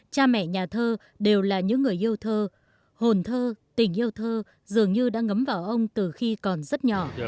cha mẹ nhà thơ đều là những người yêu thơ hồn thơ tình yêu thơ dường như đã ngấm vào ông từ khi còn rất nhỏ